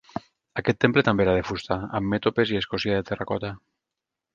Aquest temple també era de fusta, amb mètopes i escòcia de terracota.